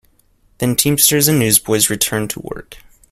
Then teamsters and newsboys returned to work.